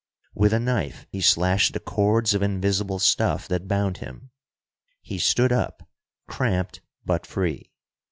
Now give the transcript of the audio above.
With a knife he slashed the cords of invisible stuff that bound him. He stood up, cramped, but free.